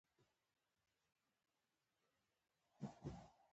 یعنې بېخونده وه.